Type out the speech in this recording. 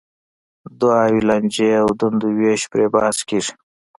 دعاوې، لانجې او دندو وېش پرې بحث کېږي.